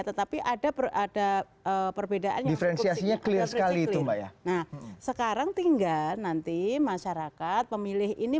secara rulenya ini